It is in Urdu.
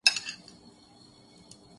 سلمانکترینہ بگ باس میں ایک ساتھ